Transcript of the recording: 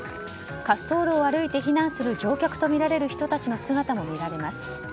滑走路を歩いて避難する乗客とみられる人たちの姿も見られます。